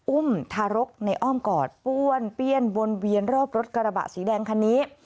ทารกในอ้อมกอดป้วนเปี้ยนวนเวียนรอบรถกระบะสีแดงคันนี้